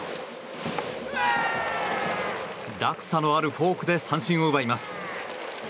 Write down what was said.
落差のあるフォークで三振を奪います。